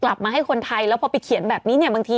กลับมาให้คนไทยแล้วพอไปเขียนแบบนี้เนี่ยบางที